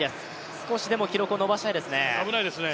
少しでも記録を伸ばしたいですね。